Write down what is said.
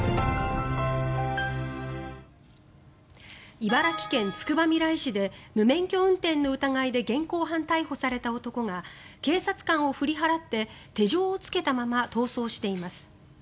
茨城県つくばみらい市で無免許運転の疑いで現行犯逮捕された男が警察官を振り払って手錠をつけたまま逃走しています。